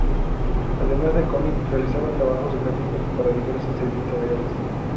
Además de cómic, realiza trabajos gráficos para diversas editoriales.